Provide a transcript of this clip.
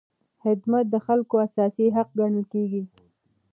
خدمت د خلکو اساسي حق ګڼل کېږي.